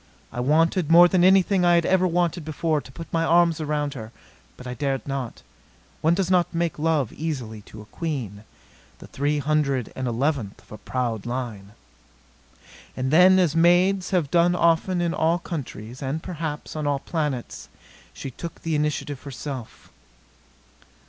I wanted, more than anything I had ever wanted before, to put my arms around her. But I dared not. One does not make love easily to a queen, the three hundred and eleventh of a proud line. And then, as maids have done often in all countries, and, perhaps, on all planets, she took the initiative herself.